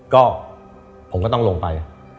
ก็ผมก็ต้องลงไป